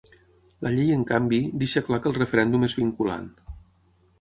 La llei, en canvi, deixa clar que el referèndum és vinculant.